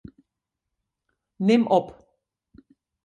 Nim op.